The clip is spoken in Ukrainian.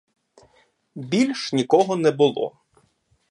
Більш нікого не було.